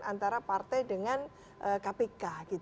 antara partai dengan kpk